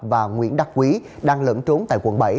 và nguyễn đắc quý đang lẫn trốn tại quận bảy